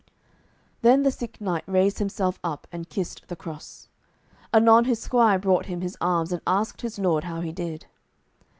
Then the sick knight raised himself up, and kissed the cross. Anon his squire brought him his arms, and asked his lord how he did.